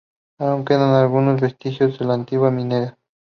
Aún quedan algunos vestigios de la antigua minera.